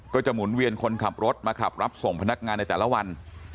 จะหมุนเวียนคนขับรถมาขับรับส่งพนักงานในแต่ละวัน